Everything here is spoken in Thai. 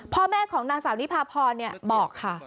พ่อแม่ของนางสาวนิพาพรบอกค่ะ